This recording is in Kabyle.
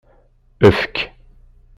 Efk.